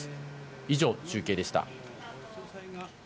以上、中継でした。